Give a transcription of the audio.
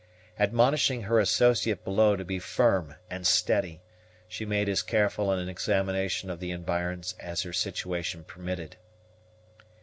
Admonishing her associate below to be firm and steady, she made as careful an examination of the environs as her situation permitted.